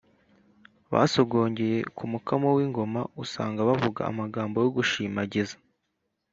basogongeye ku mukamo w’ingoma usanga bavuga amagambo yo gushimagiza